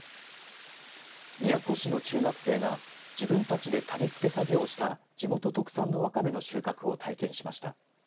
宮古市の中学生が自分たちで種付け作業をした地元特産のわかめの収穫を体験しました。